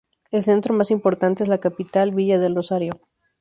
El centro más importante es la capital, Villa del Rosario.